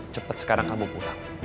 cepet sekarang kamu pulang